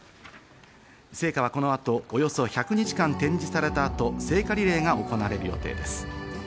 聖火はこの後およそ１００日間展示された後、聖火リレーが行われる予定です。